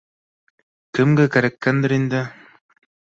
— Кемгә кәрәккәндер инде